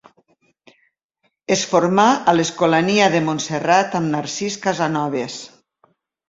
Es formà a l'Escolania de Montserrat amb Narcís Casanoves.